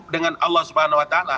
dengan allah swt